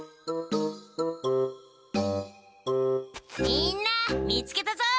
みんな見つけたぞ！